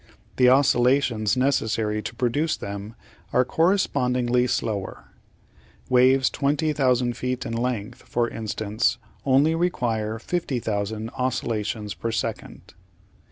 The oscillations necessary to produce them are correspondingly slower. Waves 20,000 feet in length, for in stance, only require 50,000 oscillations per second.